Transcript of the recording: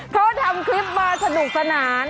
เขาทำคลิปมาสนุกสนาน